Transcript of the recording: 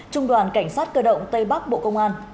trung đoàn cảnh sát cơ động tây bắc bộ công an